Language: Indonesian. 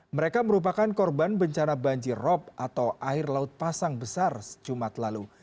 mereka merupakan korban bencana banjir rop atau air laut pasang besar jumat lalu